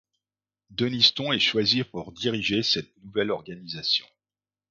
Denniston est choisi pour diriger cette nouvelle organisation.